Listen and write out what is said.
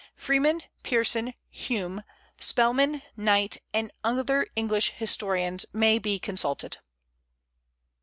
Freeman, Pearson, Hume, Spelman, Knight, and other English historians may be consulted.